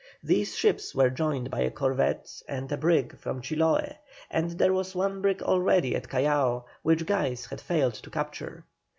These ships were joined by a corvette and a brig from Chiloe, and there was one brig already at Callao, which Guise had failed to capture.